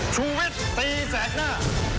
ชุมเวทตีแสดหน้า